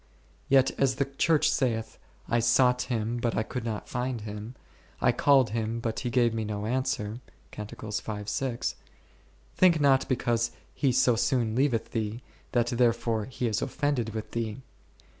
Yet as the Church saith, I sought Him but I could not find Him; I called Him but He gave me no answer %; think not because He so soon leaveth thee, that there fore He is offended with thee.